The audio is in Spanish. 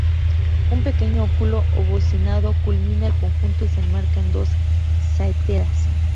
Un pequeño óculo abocinado culmina el conjunto y se enmarca con dos saeteras.